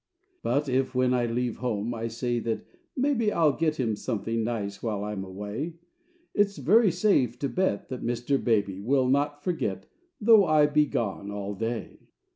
But if, when I leave home, I say that maybe I'll get him something nice while I'm away, It's very safe to bet that Mr. Baby Will not forget, though I be gone all day.